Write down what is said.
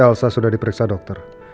ma elsa sudah diperiksa dokter